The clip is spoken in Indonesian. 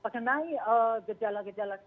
mengenai gejala gejala lainnya